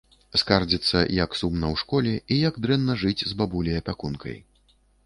Скардзіцца, як сумна ў школе і як дрэнна жыць з бабуляй-апякункай.